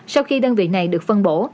sau khi đơn vị này được phân bổ